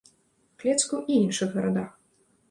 Клецку і іншых гарадах.